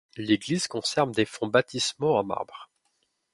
L'église conserve des fonts baptismaux en marbre.